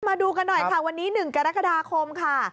มาดูกันหน่อยค่ะวันนี้๑กรกฎาคมค่ะ